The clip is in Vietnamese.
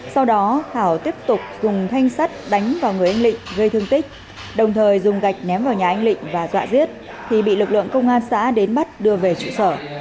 sau đó thảo tiếp tục dùng thanh sắt đánh vào người anh lịnh gây thương tích đồng thời dùng gạch ném vào nhà anh lịnh và dọa giết thì bị lực lượng công an xã đến bắt đưa về trụ sở